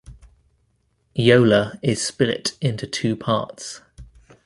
Yola is split into two parts.